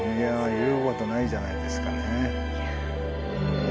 言うことないじゃないですかね。